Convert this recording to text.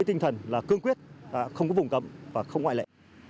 tinh thần là cương quyết không có vùng cấm và không ngoại lệ